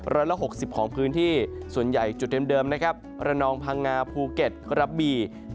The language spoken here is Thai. ร้อยละ๖๐ของพื้นที่ส่วนใหญ่จุดเดิมนะครับระนองพังงาภูเก็ตกระบี่